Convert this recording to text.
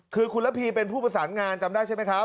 คือคุณระพีเป็นผู้ประสานงานจำได้ใช่ไหมครับ